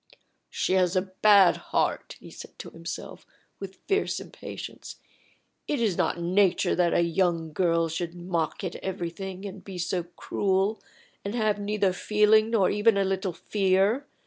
"She has a bad heart," he said to himself, with fierce impatience. "It is not nature that a young girl should mock at everything, and be so cruel, and have neither feeling nor even a little fear.